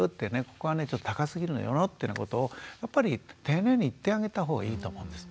「ここがね高すぎるのよ」ってなことをやっぱり丁寧に言ってあげた方がいいと思うんです。